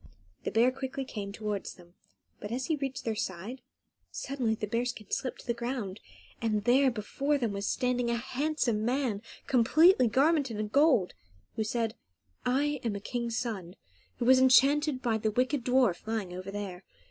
The bear quickly came towards them, but as he reached their side, suddenly the bear skin slipped to the ground, and there before them was standing a handsome man, completely garmented in gold, who said, "I am a king's son, who was enchanted by the wicked dwarf lying over there.